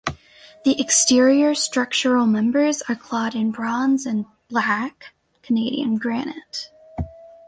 The exterior structural members are clad in bronze and "black" Canadian granite.